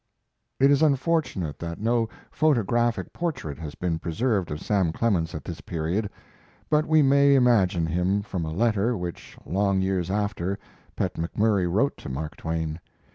It is unfortunate that no photographic portrait has been preserved of Sam Clemens at this period. But we may imagine him from a letter which, long years after, Pet McMurry wrote to Mark Twain.